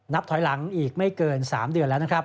ถอยหลังอีกไม่เกิน๓เดือนแล้วนะครับ